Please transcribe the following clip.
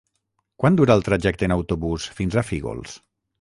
Quant dura el trajecte en autobús fins a Fígols?